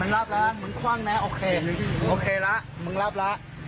ละโอเคละมึงรับละ